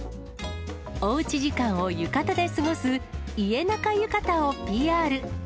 おうち時間を浴衣で過ごす、イエナカゆかたをＰＲ。